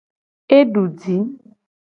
E du ji.